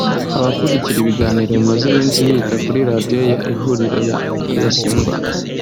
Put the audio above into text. Abakurikira ibiganiro bimaze iminsi bihita kuri ya radio Ihuriro ya Rudasingwa